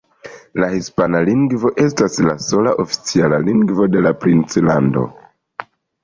La hispana lingvo estas la sola oficiala lingvo de la Princlando.